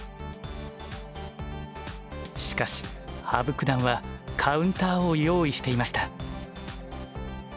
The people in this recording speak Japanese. しかし羽生九段はカウンターを用意していました。